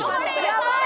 やばい！